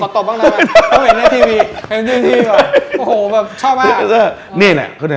ขอตบบ้างนะเพราะเห็นในทีวี